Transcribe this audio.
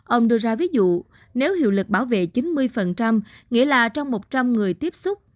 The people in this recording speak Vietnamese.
ông đưa ra ví dụ nếu hiệu lực bảo vệ chín mươi nghĩa là trong một trăm linh người tiếp xúc